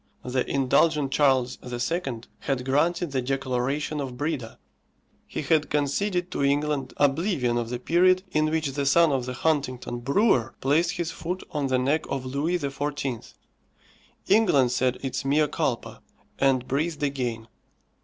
The indulgent Charles II. had granted the declaration of Breda. He had conceded to England oblivion of the period in which the son of the Huntingdon brewer placed his foot on the neck of Louis XIV. England said its mea culpa, and breathed again.